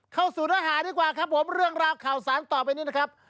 เข้าสู่เนื้อหาดีกว่าครับผมเรื่องราวข่าวสารต่อไปนี้นะครับ